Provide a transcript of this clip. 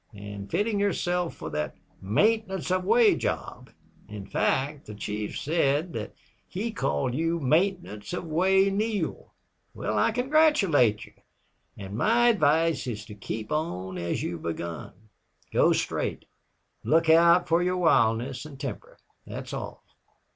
And fitting yourself for that 'maintenance of way' job. In fact, the chief said that he called you Maintenance of Way Neale. Well, I congratulate you. And my advice is keep on as you've begun go straight look out for your wildness and temper.... That's all.